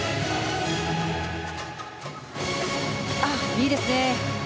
いいですね。